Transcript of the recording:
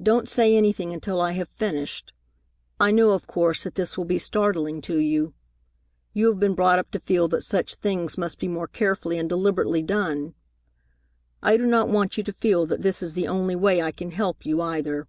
"Don't say anything until I have finished. I know of course that this will be startling to you. You have been brought up to feel that such things must be more carefully and deliberately done. I do not want you to feel that this is the only way I can help you, either.